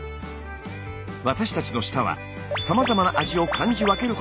私たちの舌はさまざまな味を感じ分けることができます。